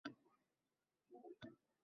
Sen tengi o`g`lim bor